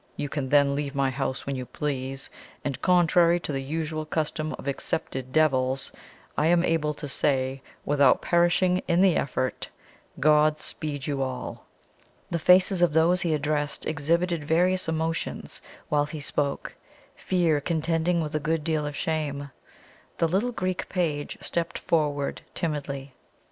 You can then leave my house when you please; and, contrary to the usual custom of accepted devils, I am able to say, without perishing in the effort God speed you all!" The faces of those he addressed exhibited various emotions while he spoke fear contending with a good deal of shame. The little Greek page stepped forward timidly.